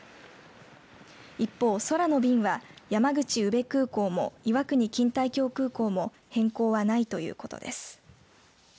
一方、空の便は山口宇部空港も岩国錦帯橋空港も変更はないということです。